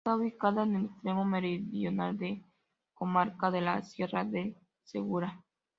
Está ubicado en el extremo meridional de la comarca de la Sierra del Segura.